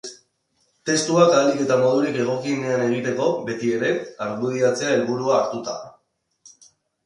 Testuak ahalik eta modurik egokienean egiteko, beti ere, argudiatzea helburu hartuta.